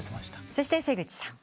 そして瀬口さん。